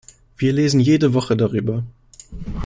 Wir lesen jede Woche darüber.